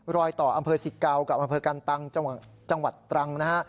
รอยต่ออำเภอสิเกากับอำเภอกันตังจังหวัดตรังนะฮะ